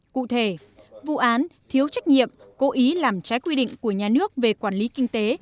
cụ thể vụ án thiếu trách nhiệm cố ý làm trái quy định của nhà nước về quản lý kinh tế